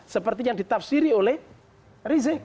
seperti yang ditafsiri oleh rizik